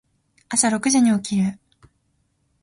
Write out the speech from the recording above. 朝六時に起きる。